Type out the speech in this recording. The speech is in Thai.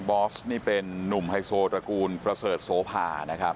อสนี่เป็นนุ่มไฮโซตระกูลประเสริฐโสภานะครับ